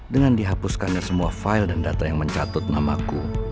dengan dihapuskannya semua file dan data yang mencatut namaku